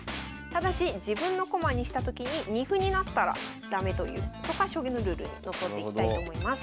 ただし自分の駒にしたときに二歩になったら駄目というそこは将棋のルールにのっとっていきたいと思います。